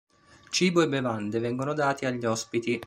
Cibo e bevande vengono dati agli ospiti.